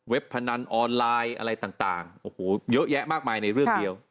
พนันออนไลน์อะไรต่างโอ้โหเยอะแยะมากมายในเรื่องเดียว